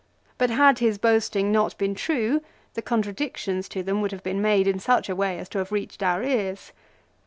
But had his boasting not been true, the contradictions to them would have been made in such a way as to have reached our ears.